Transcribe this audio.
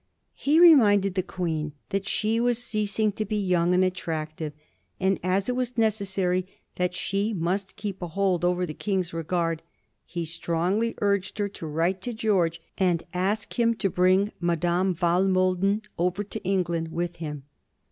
He reminded the Queen that she was ceasing to be young and attractive, and, as it was necessary that she must keep a hold over the King's regard, he strongly urged her to write to George and ask him to bring Madame Walmoden over to England with him.